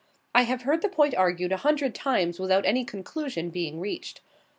I have heard the point argued a hundred times without any conclusion being reached.